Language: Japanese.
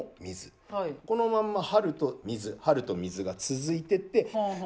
このまんま春と水春と水が続いてって